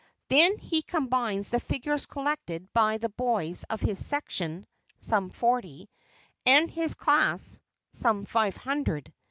Then he combines the figures collected by the boys of his section (some forty) and his class (some five hundred).